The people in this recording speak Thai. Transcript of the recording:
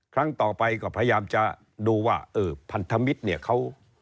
ครั้งต่อไปก็พยายามจะดูว่าเออพันธมิตรเนี่ยเขา